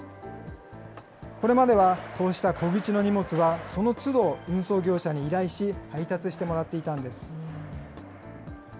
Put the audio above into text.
これまではこうした小口の荷物はそのつど、運送業者に依頼し、配達してもらっていたんです。